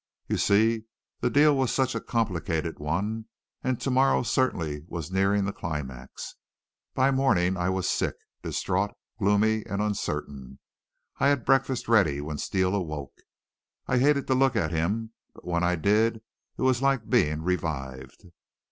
You see, the deal was such a complicated one, and to morrow certainly was nearing the climax. By morning I was sick, distraught, gloomy, and uncertain. I had breakfast ready when Steele awoke. I hated to look at him, but when I did it was like being revived.